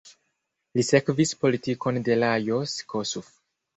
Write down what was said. Li sekvis politikon de Lajos Kossuth.